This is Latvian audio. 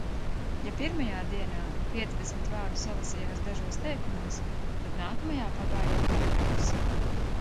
Ja pirmajā dienā piecdesmit vārdu salasījās dažos teikumos, tad nākamajā pagāja jau paragrāfs.